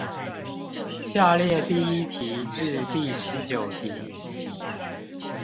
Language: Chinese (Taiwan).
下列第一題至第十九題